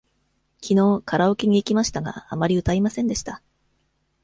きのうカラオケに行きましたが、あまり歌いませんでした。